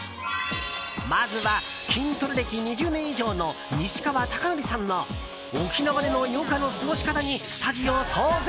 まずは、筋トレ歴２０年以上の西川貴教さんの沖縄での余暇の過ごし方にスタジオ騒然。